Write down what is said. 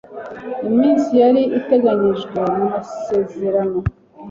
iminsi yari iteganyijwe mu masezerano